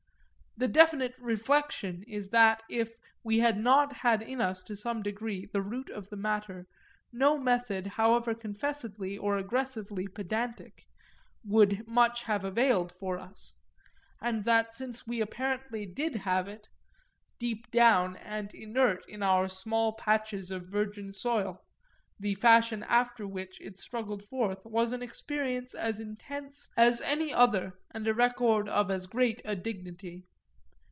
That definite reflection is that if we had not had in us to some degree the root of the matter no method, however confessedly or aggressively "pedantic," would much have availed for us; and that since we apparently did have it, deep down and inert in our small patches of virgin soil, the fashion after which it struggled forth was an experience as intense as any other and a record of as great a dignity.